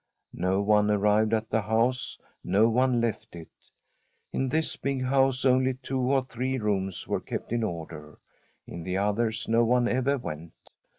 No one arrived at the house, no one left it. In this big house only two or three rooms were kept in order ; in the others no one ever went.